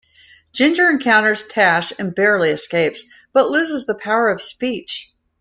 Ginger encounters Tash and barely escapes, but loses the power of speech.